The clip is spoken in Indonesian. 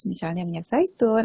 misalnya minyak saitun